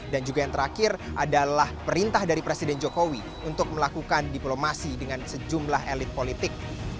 dan juga yang terakhir adalah perintah dari presiden jokowi untuk melakukan diplomasi dengan sejumlah elit politik